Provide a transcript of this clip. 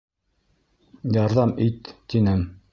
Ярҙам ит, тинем.